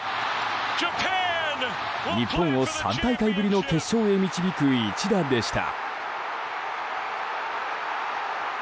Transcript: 日本を３大会ぶりの決勝に導く一打でした。